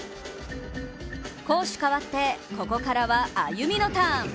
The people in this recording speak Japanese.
攻守変わってここからはＡＹＵＭＩのターン。